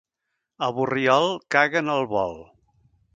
A Borriol, caguen al vol.